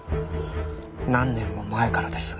何年も前からです。